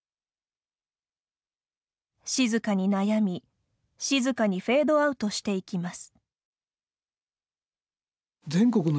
「静かに悩み、静かにフェードアウトしていきます」